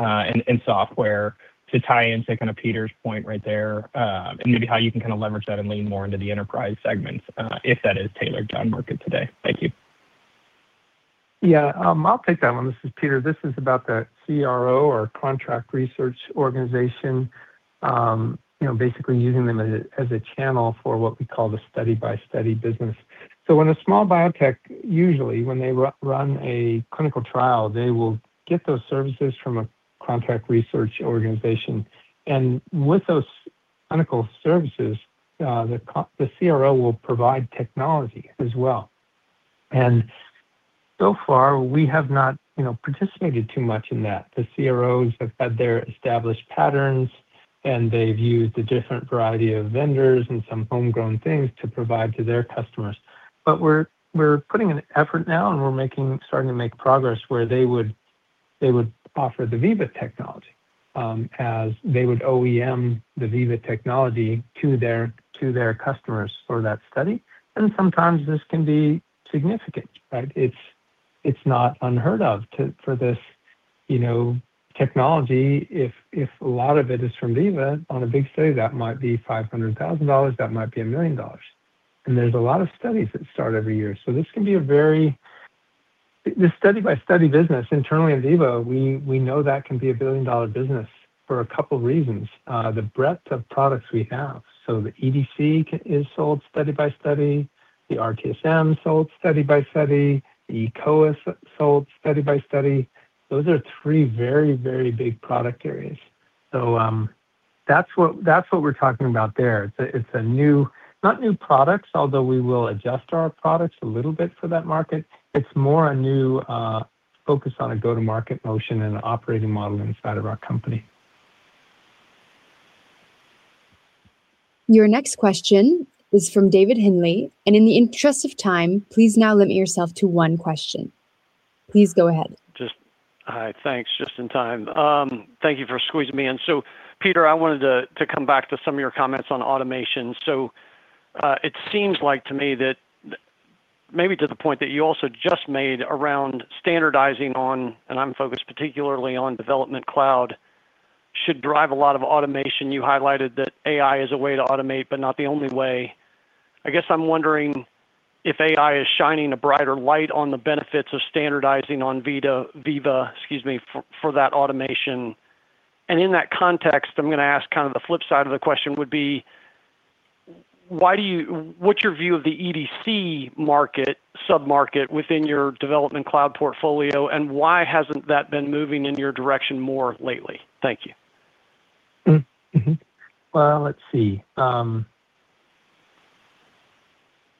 and software to tie into kind of Peter's point right there, and maybe how you can kind of leverage that and lean more into the enterprise segments, if that is tailored down-market today. Thank you. Yeah. I'll take that one. This is Peter. This is about the CRO or contract research organization, you know, basically using them as a, as a channel for what we call the study-by-study business. When a small biotech, usually when they run a clinical trial, they will get those services from a contract research organization. With those clinical services, the CRO will provide technology as well. So far, we have not, you know, participated too much in that. The CROs have had their established patterns, and they've used a different variety of vendors and some homegrown things to provide to their customers. We're putting in effort now, and we're starting to make progress where they would, they would offer the Veeva technology, as they would OEM the Veeva technology to their, to their customers for that study. Sometimes this can be significant, right? It's not unheard of for this, you know, technology if a lot of it is from Veeva on a big study that might be $500,000, that might be $1 million. There's a lot of studies that start every year. This can be a very. The study-by-study business internally in Veeva, we know that can be a $1 billion business for a couple reasons. The breadth of products we have. The EDC is sold study by study. The RTSM is sold study by study. The eCOA is sold study by study. Those are three very big product areas. That's what we're talking about there. It's a new not new products, although we will adjust our products a little bit for that market. It's more a new, focus on a go-to-market motion and an operating model inside of our company. Your next question is from David Windley. In the interest of time, please now limit yourself to one question. Please go ahead. Hi. Thanks. Just in time. Thank you for squeezing me in. Peter, I wanted to come back to some of your comments on automation. It seems like to me that maybe to the point that you also just made around standardizing on, and I'm focused particularly on Development Cloud, should drive a lot of automation. You highlighted that AI is a way to automate, but not the only way. I guess I'm wondering if AI is shining a brighter light on the benefits of standardizing on Veeva, excuse me, for that automation. In that context, I'm going to ask kind of the flip side of the question would be, why what's your view of the EDC sub-market within your Development Cloud portfolio, and why hasn't that been moving in your direction more lately? Thank you. Well, let's see.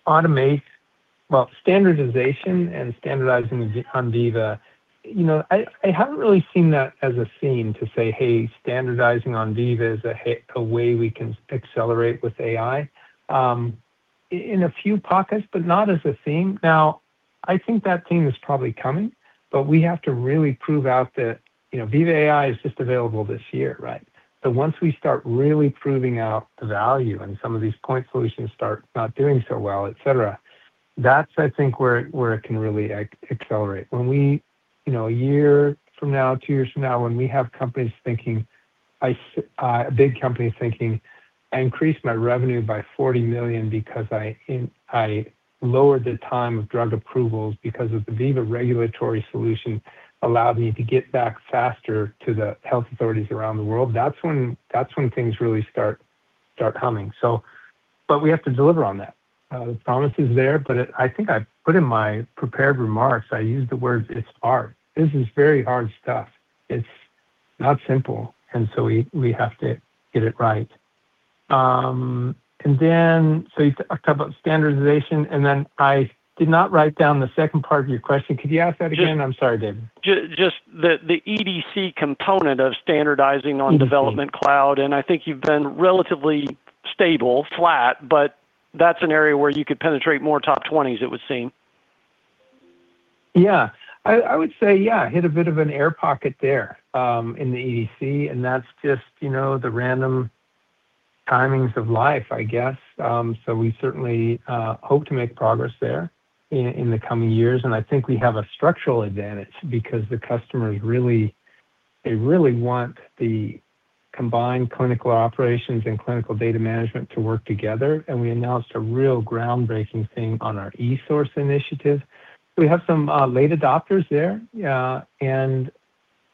Well, standardization and standardizing on Veeva, you know, I haven't really seen that as a theme to say, "Hey, standardizing on Veeva is a way we can accelerate with AI." in a few pockets, but not as a theme. I think that thing is probably coming, but we have to really prove out that, you know Veeva AI is just available this year, right? Once we start really proving out the value and some of these point solutions start not doing so well, et cetera, that's I think where it can really accelerate. When we, you know, a year from now, two years from now, when we have companies thinking big companies thinking, "I increased my revenue by $40 million because I lowered the time of drug approvals because of the Veeva regulatory solution allowed me to get back faster to the health authorities around the world," that's when things really start coming. But we have to deliver on that. The promise is there, but I think I put in my prepared remarks, I used the words it's hard. This is very hard stuff. It's not simple, we have to get it right. You talked about standardization, I did not write down the second part of your question. Could you ask that again? I'm sorry, David. Just the EDC component of standardizing on Veeva Development Cloud, I think you've been relatively stable, flat, but that's an area where you could penetrate more top 20s it would seem. Yeah. I would say yeah, hit a bit of an air pocket there, in the EDC. That's just, you know, the random timings of life, I guess. We certainly hope to make progress there in the coming years. I think we have a structural advantage because the customers really. They really want the combined clinical operations and clinical data management to work together. We announced a real groundbreaking thing on our eSource initiative. We have some late adopters there.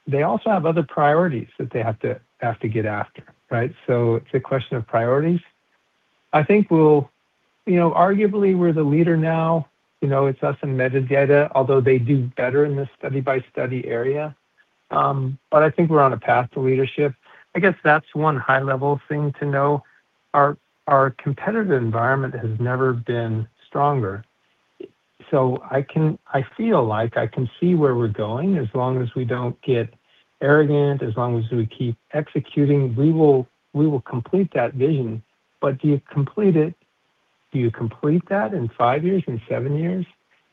They also have other priorities that they have to get after, right? It's a question of priorities. I think we'll. You know, arguably, we're the leader now. You know, it's us and Medidata, although they do better in this study-by-study area. I think we're on a path to leadership. I guess that's one high-level thing to know. Our competitive environment has never been stronger. I feel like I can see where we're going as long as we don't get arrogant, as long as we keep executing, we will complete that vision. Do you complete that in five years, in seven years?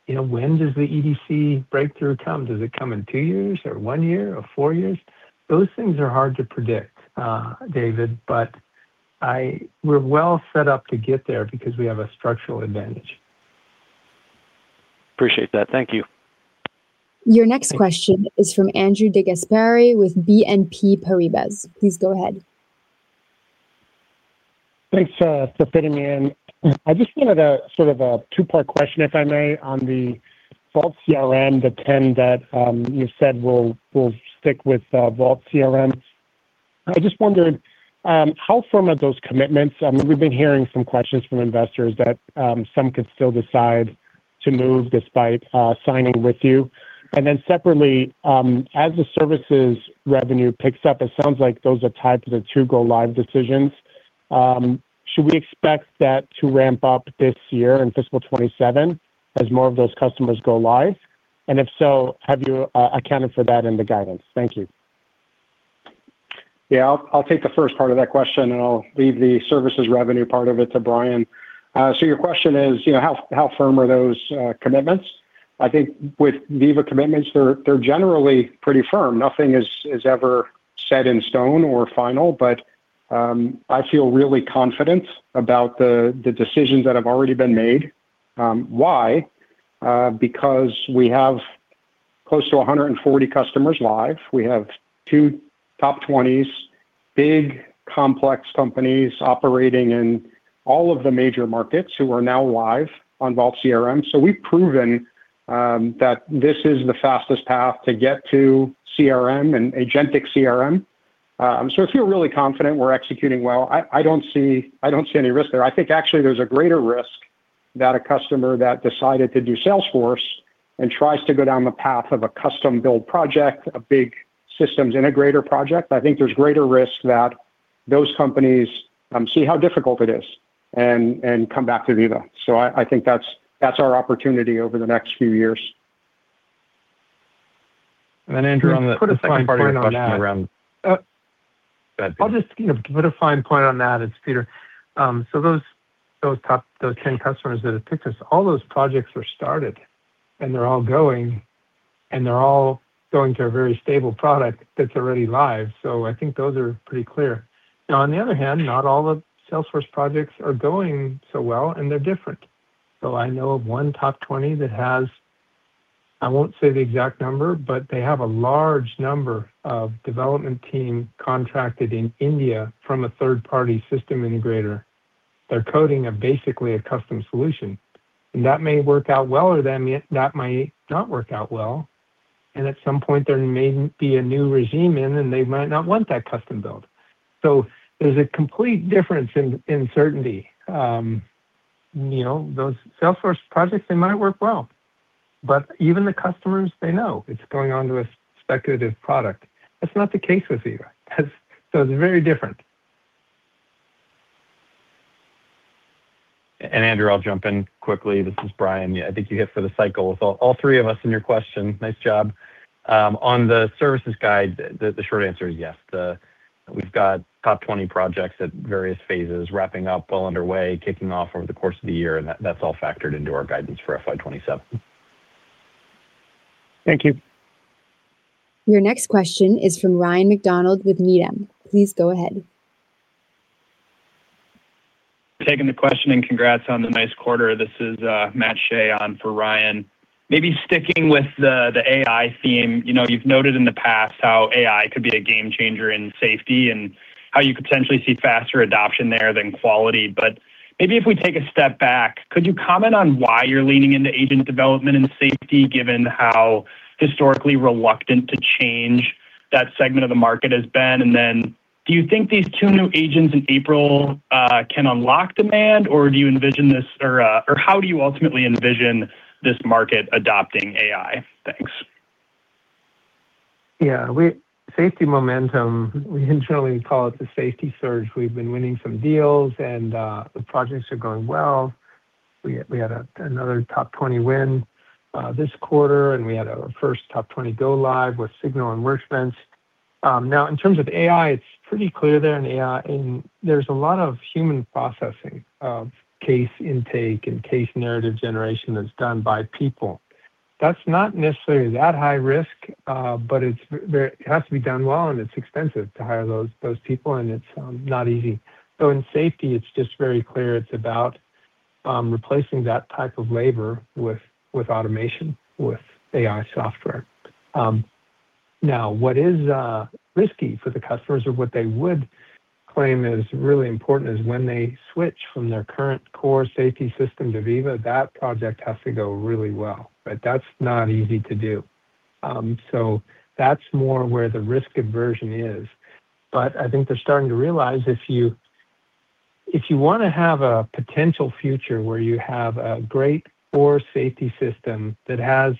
You know, when does the EDC breakthrough come? Does it come in two years or one year or four years? Those things are hard to predict, David, we're well set up to get there because we have a structural advantage. Appreciate that. Thank you. Your next question is from Andrew DeGasperi with BNP Paribas. Please go ahead. Thanks for fitting me in. I just wanted a sort of a two-part question, if I may, on the Vault CRM, the 10 that you said we'll stick with Vault CRM. I just wondered how firm are those commitments? I mean, we've been hearing some questions from investors that some could still decide to move despite signing with you. Separately, as the services revenue picks up, it sounds like those are tied to the two Go-live decisions. Should we expect that to ramp up this year in fiscal 2027 as more of those customers go live? If so, have you accounted for that in the guidance? Thank you. Yeah. I'll take the first part of that question, and I'll leave the services revenue part of it to Brian. Your question is, you know, how firm are those commitments? I think with Veeva commitments, they're generally pretty firm. Nothing is ever set in stone or final, but I feel really confident about the decisions that have already been made. Why? Because we have close to 140 customers live. We have two top 20s, big, complex companies operating in all of the major markets who are now live on Vault CRM. We've proven that this is the fastest path to get to CRM and Agentic CRM. I feel really confident we're executing well. I don't see any risk there. I think actually there's a greater risk that a customer that decided to do Salesforce and tries to go down the path of a custom-build project, a big systems integrator project, I think there's greater risk that those companies see how difficult it is and come back to Veeva. I think that's our opportunity over the next few years. Andrew, on the second part of your question. Put a fine point on that. Go ahead, Peter. I'll just, you know, put a fine point on that. It's Peter. Those 10 customers that have picked us, all those projects are started, and they're all going, and they're all going to a very stable product that's already live. I think those are pretty clear. Now on the other hand, not all the Salesforce projects are going so well, and they're different. I know of 1 top 20 that has, I won't say the exact number, but they have a large number of development team contracted in India from a third-party system integrator. They're coding a basically a custom solution. That may work out well or that may not work out well. At some point there may be a new regime in, and they might not want that custom build. There's a complete difference in certainty. You know, those Salesforce projects, they might work well. Even the customers, they know it's going onto a speculative product. That's not the case with Veeva. It's very different. Andrew, I'll jump in quickly. This is Brian. Yeah, I think you hit for the cycle with all three of us in your question. Nice job. On the services guide, the short answer is yes. We've got top 20 projects at various phases wrapping up, well underway, kicking off over the course of the year, and that's all factored into our guidance for FY 2027. Thank you. Your next question is from Ryan MacDonald with Needham. Please go ahead. Taking the question, congrats on the nice quarter. This is Matt Shea on for Ryan. Maybe sticking with the AI theme, you know, you've noted in the past how AI could be a game changer in safety and how you could potentially see faster adoption there than quality. Maybe if we take a step back, could you comment on why you're leaning into agent development and safety, given how historically reluctant to change that segment of the market has been? Do you think these two new agents in April can unlock demand, or how do you ultimately envision this market adopting AI? Thanks. Safety momentum, we internally call it the safety surge. We've been winning some deals and the projects are going well. We had another top 20 win this quarter, and we had our first top 20 go live with Signal and Wordfence. Now in terms of AI, it's pretty clear there in AI. There's a lot of human processing of case intake and case narrative generation that's done by people. That's not necessarily that high risk, but it's very it has to be done well, and it's expensive to hire those people, and it's not easy. In safety, it's just very clear it's about replacing that type of labor with automation, with AI software. Now what is risky for the customers or what they would claim is really important is when they switch from their current core safety system to Veeva, that project has to go really well, right? That's not easy to do. That's more where the risk aversion is. I think they're starting to realize if you, if you wanna have a potential future where you have a great core safety system that has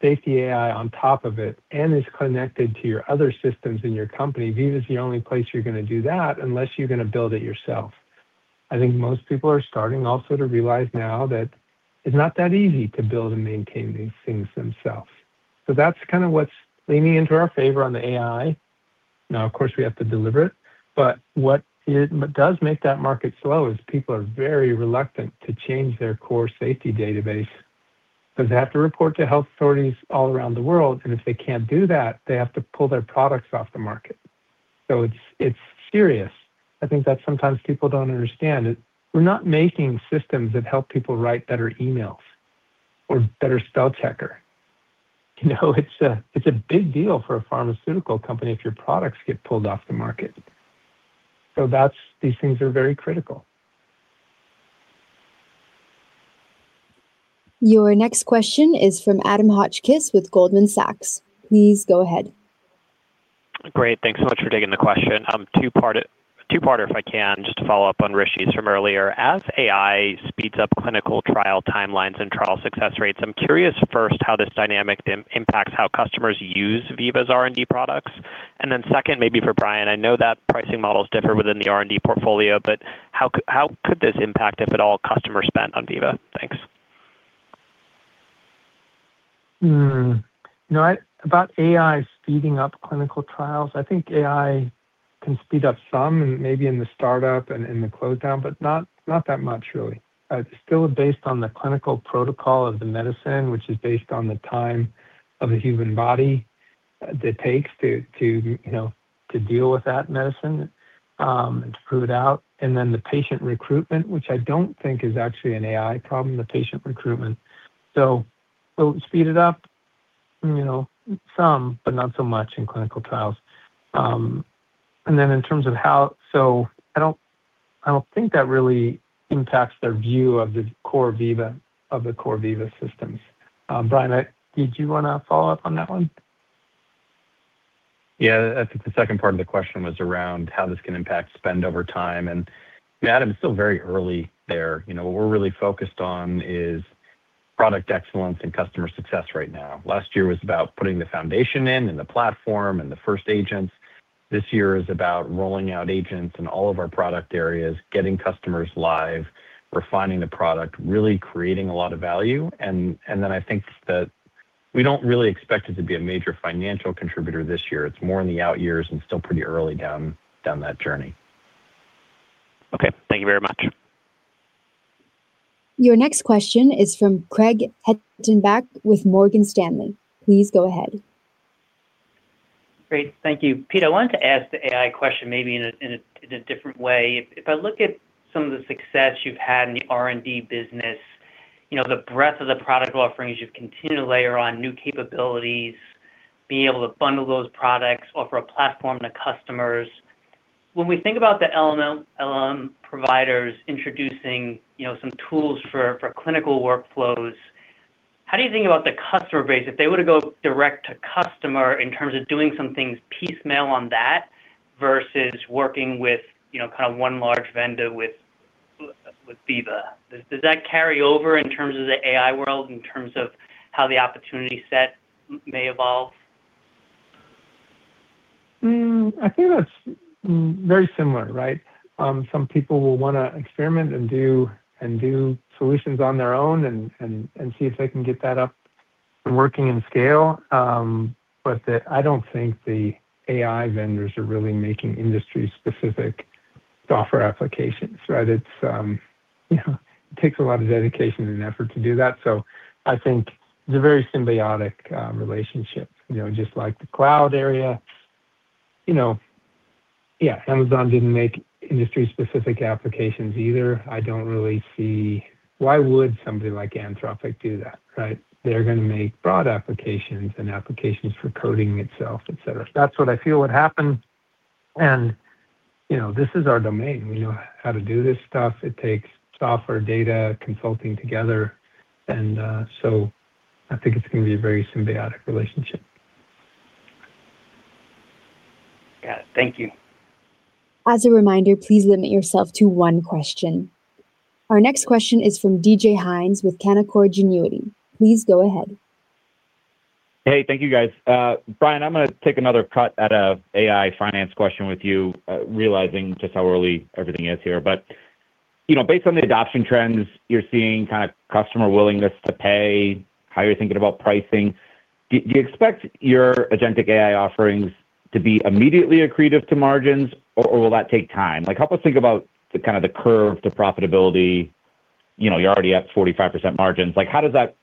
safety AI on top of it and is connected to your other systems in your company, Veeva is the only place you're gonna do that unless you're gonna build it yourself. I think most people are starting also to realize now that it's not that easy to build and maintain these things themselves. That's kinda what's leaning into our favor on the AI. Of course, we have to deliver it, but what it does make that market slow is people are very reluctant to change their core safety database 'cause they have to report to health authorities all around the world, and if they can't do that, they have to pull their products off the market. It's serious. I think that sometimes people don't understand it. We're not making systems that help people write better emails or better spell checker. You know, it's a, it's a big deal for a pharmaceutical company if your products get pulled off the market. These things are very critical. Your next question is from Adam Hotchkiss with Goldman Sachs. Please go ahead. Great. Thanks so much for taking the question. two parter, if I can, just to follow up on Rishi's from earlier. As AI speeds up clinical trial timelines and trial success rates, I'm curious first how this dynamic impacts how customers use Veeva's R&D products. Second, maybe for Brian, I know that pricing models differ within the R&D portfolio, but how could this impact, if at all, customer spend on Veeva? Thanks. You know, About AI speeding up clinical trials, I think AI can speed up some, maybe in the startup and in the close down, but not that much really. It's still based on the clinical protocol of the medicine, which is based on the time of the human body that it takes to, you know, to deal with that medicine, and to prove it out. The patient recruitment, which I don't think is actually an AI problem, the patient recruitment. It'll speed it up, you know, some, but not so much in clinical trials. In terms of how I don't think that really impacts their view of the core Veeva, of the core Veeva Systems. Brian, did you wanna follow up on that one? Yeah. I think the second part of the question was around how this can impact spend over time. Adam, it's still very early there. You know, what we're really focused on is product excellence and customer success right now. Last year was about putting the foundation in and the platform and the first agents. This year is about rolling out agents in all of our product areas, getting customers live, refining the product, really creating a lot of value, and then I think that we don't really expect it to be a major financial contributor this year. It's more in the out years and still pretty early down that journey. Okay. Thank you very much. Your next question is from Craig Hettenbach with Morgan Stanley. Please go ahead. Great. Thank you. Pete, I wanted to ask the AI question maybe in a different way. If I look at some of the success you've had in the R&D business, you know, the breadth of the product offerings, you've continued to layer on new capabilities, being able to bundle those products, offer a platform to customers. When we think about the LLM providers introducing, you know, some tools for clinical workflows, how do you think about the customer base? If they were to go direct to customer in terms of doing some things piecemeal on that versus working with, you know, kind of one large vendor with Veeva. Does that carry over in terms of the AI world, in terms of how the opportunity set may evolve? Hmm, I think that's very similar, right? Some people will wanna experiment and do solutions on their own and see if they can get that up and working in scale. I don't think the AI vendors are really making industry-specific software applications, right? It's, you know, it takes a lot of dedication and effort to do that. I think it's a very symbiotic relationship. You know, just like the cloud area, Amazon didn't make industry-specific applications either. I don't really see why would somebody like Anthropic do that, right? They're gonna make broad applications and applications for coding itself, et cetera. This is our domain. We know how to do this stuff. It takes software, data, consulting together. I think it's gonna be a very symbiotic relationship. Got it. Thank you. As a reminder, please limit yourself to one question. Our next question is from DJ Hynes with Canaccord Genuity. Please go ahead. Hey, thank you, guys. Brian, I'm gonna take another cut at a AI finance question with you, realizing just how early everything is here. You know, based on the adoption trends you're seeing, kind of customer willingness to pay, how you're thinking about pricing, do you expect your Agentic AI offerings to be immediately accretive to margins or will that take time? Like, help us think about the kind of the curve to profitability. You know, you're already at 45% margins. Like, how does that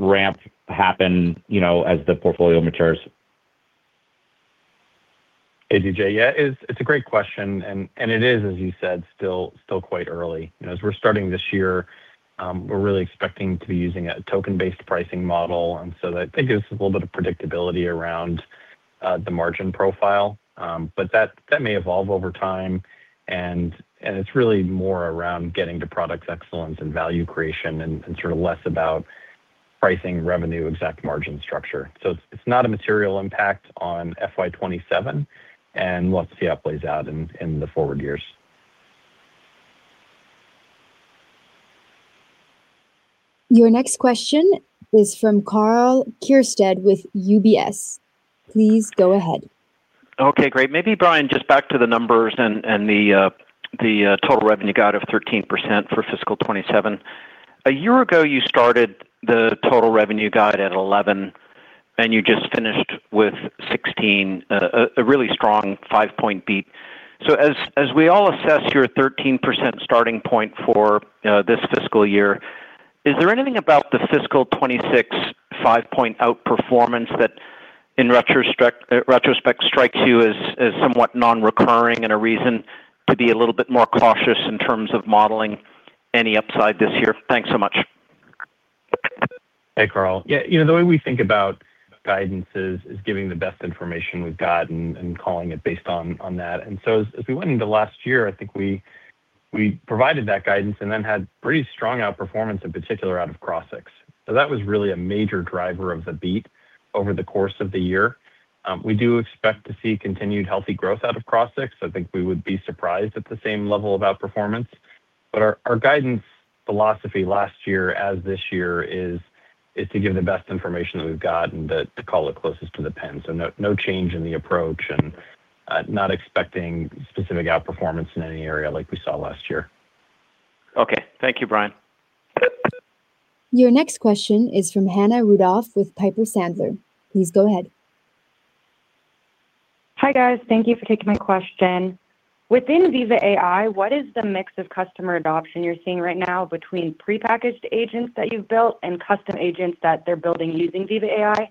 ramp happen, you know, as the portfolio matures? Hey, D.J. Yeah, it's a great question, and it is, as you said, still quite early. You know, as we're starting this year, we're really expecting to be using a token-based pricing model, and so I think there's a little bit of predictability around the margin profile. But that may evolve over time and it's really more around getting to product excellence and value creation and sort of less about pricing, revenue, exact margin structure. It's not a material impact on FY 2027, and we'll have to see how it plays out in the forward years. Your next question is from Karl Keirstead with UBS. Please go ahead. Okay, great. Maybe, Brian, just back to the numbers and the total revenue guide of 13% for fiscal 2027. A year ago, you started the total revenue guide at 11, and you just finished with 16, a really strong 5-point beat. As we all assess your 13% starting point for this fiscal year, is there anything about the fiscal 2026 5-point outperformance that in retrospect strikes you as somewhat non-recurring and a reason to be a little bit more cautious in terms of modeling any upside this year? Thanks so much. Hey, Karl. Yeah, you know, the way we think about guidance is giving the best information we've got and calling it based on that. as we went into last year, I think we provided that guidance and then had pretty strong outperformance, in particular out of Crossix. that was really a major driver of the beat over the course of the year. We do expect to see continued healthy growth out of Crossix. I think we would be surprised at the same level of outperformance. Our guidance philosophy last year as this year is to give the best information that we've got and to call it closest to the pen. No change in the approach and not expecting specific outperformance in any area like we saw last year. Okay. Thank you, Brian. Your next question is from Hannah Rudolff with Piper Sandler. Please go ahead. Hi, guys. Thank you for taking my question. Within Veeva AI, what is the mix of customer adoption you're seeing right now between prepackaged agents that you've built and custom agents that they're building using Veeva AI?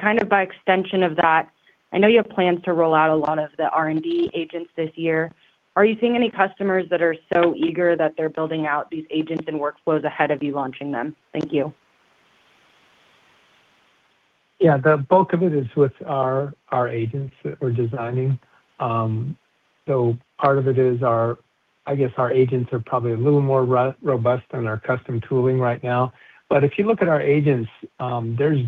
kind of by extension of that, I know you have plans to roll out a lot of the R&D agents this year. Are you seeing any customers that are so eager that they're building out these agents and workflows ahead of you launching them? Thank you. Yeah. The bulk of it is with our agents that we're designing. Part of it is our agents are probably a little more robust than our custom tooling right now. If you look at our agents, there's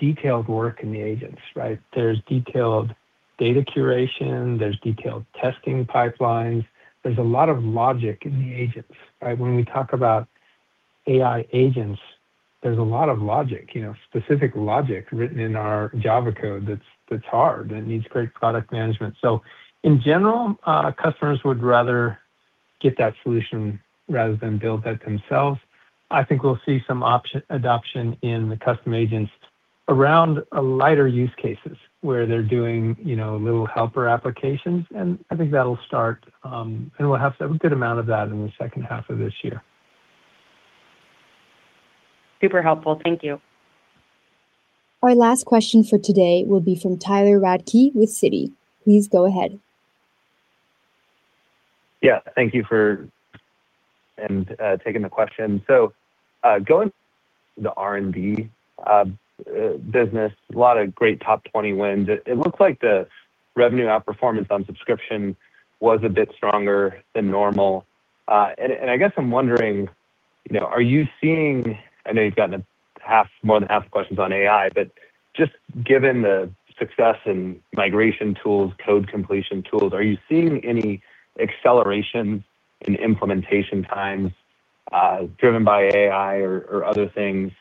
detailed work in the agents, right? There's detailed data curation, there's detailed testing pipelines. There's a lot of logic in the agents, right? When we talk about AI agents, there's a lot of logic, you know, specific logic written in our Java code that's hard, that needs great product management. In general, customers would rather get that solution rather than build that themselves. I think we'll see some adoption in the custom agents around a lighter use cases where they're doing, you know, little helper applications, and I think that'll start, and we'll have a good amount of that in the second half of this year. Super helpful. Thank you. Our last question for today will be from Tyler Radke with Citi. Please go ahead. Yeah. Thank you for taking the question. going the R&D business, a lot of great top 20 wins. It looks like the revenue outperformance on subscription was a bit stronger than normal. I guess I'm wondering, you know, are you seeing, I know you've gotten more than half the questions on AI, but just given the success in migration tools, code completion tools, are you seeing any acceleration in implementation times? Driven by AI or other things,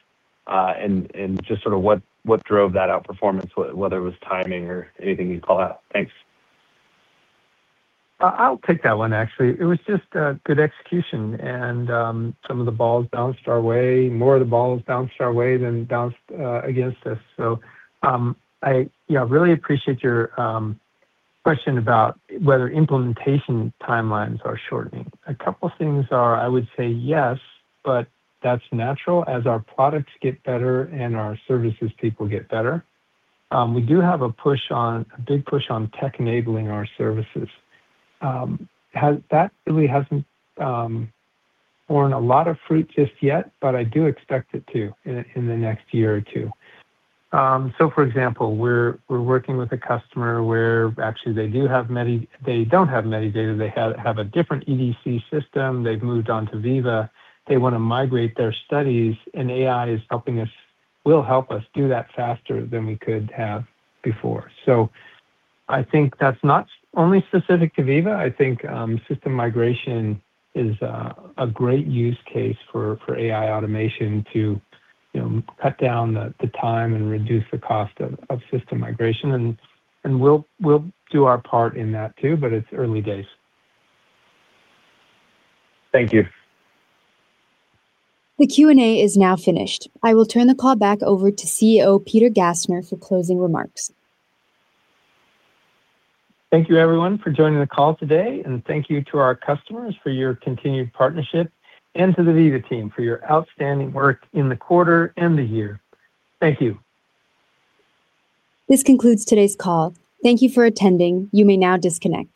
just sort of what drove that outperformance, whether it was timing or anything you'd call out? Thanks. I'll take that one, actually. It was just good execution and some of the balls bounced our way. More of the balls bounced our way than bounced against us. I, you know, really appreciate your question about whether implementation timelines are shortening. A couple things are, I would say yes, but that's natural. As our products get better and our services people get better, we do have a big push on tech enabling our services. That really hasn't borne a lot of fruit just yet, but I do expect it to in the next year or two. For example, we're working with a customer where actually they do have... They don't have Medidata. They have a different EDC system. They've moved on to Veeva. They wanna migrate their studies, and AI will help us do that faster than we could have before. I think that's not only specific to Veeva, I think system migration is a great use case for AI automation to, you know, cut down the time and reduce the cost of system migration, and we'll do our part in that too, but it's early days. Thank you. The Q&A is now finished. I will turn the call back over to CEO Peter Gassner for closing remarks. Thank you everyone for joining the call today, and thank you to our customers for your continued partnership and to the Veeva team for your outstanding work in the quarter and the year. Thank you. This concludes today's call. Thank you for attending. You may now disconnect.